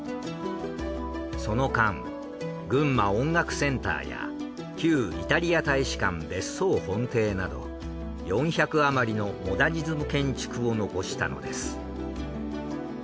その間群馬音楽センターや旧イタリア大使館別荘本邸など４００あまりのモダニズム建築を残したのです。